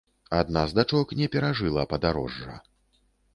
Адна з дачок не перажыла падарожжа.